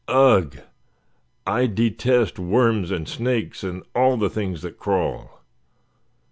Ugh! I detest worms, and snakes, and all the things that crawl.